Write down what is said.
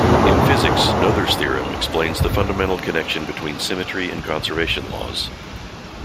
In physics, Noether's theorem explains the fundamental connection between symmetry and conservation laws.